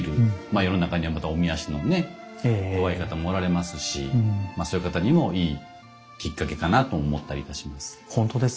世の中にはまたおみ足のね弱い方もおられますしそういう方にもいいきっかけかなと思ったりいたします。